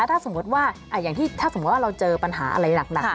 ถ้าสมมุติว่าอย่างที่ถ้าสมมุติว่าเราเจอปัญหาอะไรหนัก